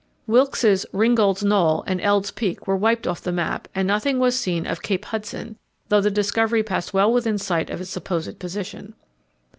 Wilkes's "Ringgold's Knoll" and "Eld's Peak" were wiped off the map, and nothing was seen of "Cape Hudson," though the Discovery passed well within sight of its supposed position.